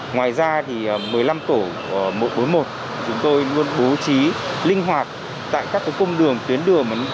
ngoài ra thì một mươi năm tổ mỗi bốn một chúng tôi luôn bố trí linh hoạt tại các công đường tuyến đường